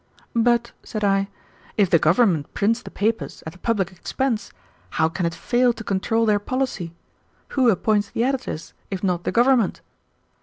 "But," said I, "if the government prints the papers at the public expense, how can it fail to control their policy? Who appoints the editors, if not the government?"